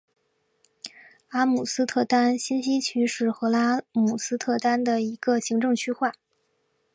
阿姆斯特丹新西区是荷兰阿姆斯特丹的一个行政区划。